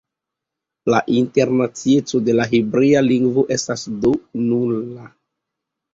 La internacieco de la hebrea lingvo estas do nula.